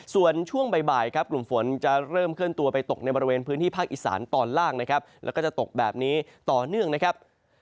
ส่วนช่วงบ่ายครับกลุ่มฝนจะเริ่มเคลื่อนตัวไปตกในบริเวณพื้นที่ภาคอีสานตอนล่างนะครับแล้วก็จะตกแบบนี้ต่อเนื่องนะครับ